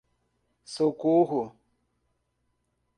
Socorro